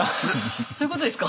そういうことですか？